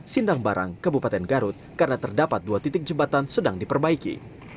sindang barang kebupaten garut karena terdapat dua titik jembatan sedang diperbaiki